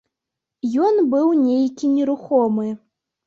Ён быў нейкі нерухомы.